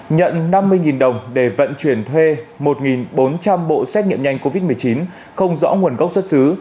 nhận năm mươi đồng để vận chuyển thuê một bốn trăm linh bộ xét nghiệm nhanh covid một mươi chín không rõ nguồn gốc xuất xứ